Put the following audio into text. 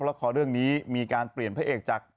ละครเรื่องนี้มีการเปลี่ยนพระเอกจาก